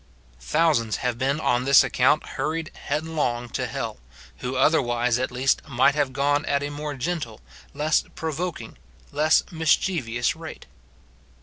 Thousands have been on this account hurried headlong to hell, who otherwise, at least, might have gone at a more gentle, less provoking, less mischievous rate.